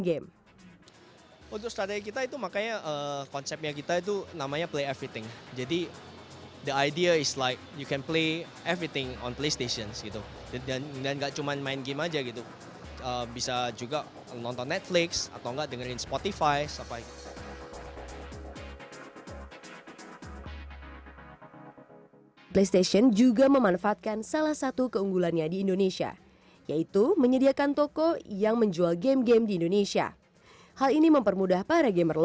ketiga pemain besar ini terus berinovasi menghasilkan fitur hingga game eksklusif untuk menarik minat para konsumen